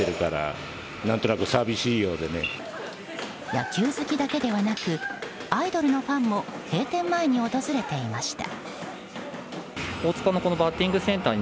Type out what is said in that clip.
野球好きだけではなくアイドルのファンも閉店前に訪れていました。